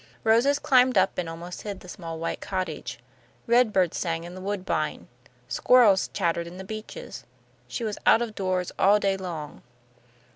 Roses climbed up and almost hid the small white cottage. Red birds sang in the woodbine. Squirrels chattered in the beeches. She was out of doors all day long.